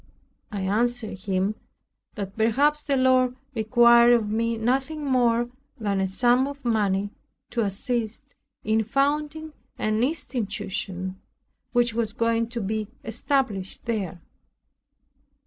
I answered him, "that perhaps the Lord required of me nothing more than a sum of money to assist in founding an institution which was going to be established there."